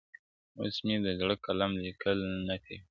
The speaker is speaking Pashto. اوس مي د زړه قلم ليكل نه كوي.